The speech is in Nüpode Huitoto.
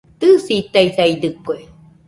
Tɨisitaisaidɨkue